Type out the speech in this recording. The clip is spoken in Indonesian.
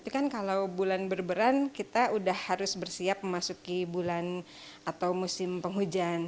tapi kan kalau bulan berberan kita sudah harus bersiap memasuki bulan atau musim penghujan